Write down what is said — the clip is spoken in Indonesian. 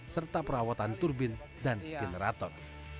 serta perawatan turbin dan generator